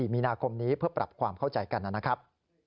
มีนาคมนี้เพื่อปรับความเข้าใจกันนะครับ